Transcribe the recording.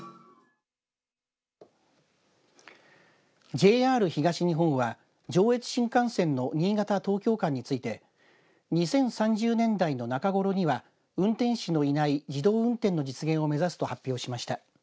ＪＲ東日本は上越新幹線の新潟、東京間について２０３０年代の中ごろには運転士のいない自動運転の実現を目指すと発表しました。